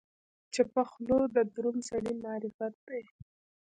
چپه خوله، د دروند سړي معرفت دی.